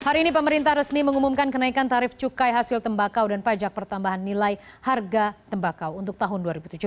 hari ini pemerintah resmi mengumumkan kenaikan tarif cukai hasil tembakau dan pajak pertambahan nilai harga tembakau untuk tahun dua ribu tujuh belas